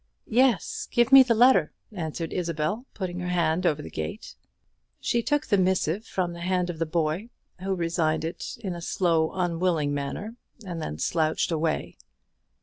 "Yes; give me the letter," answered Isabel, putting her hand over the gate. She took the missive from the hand of the boy, who resigned it in a slow unwilling manner, and then slouched away.